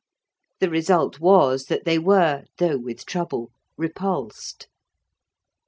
The result was that they were, though with trouble, repulsed.